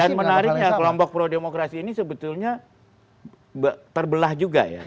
dan menariknya kelompok pro demokrasi ini sebetulnya terbelah juga ya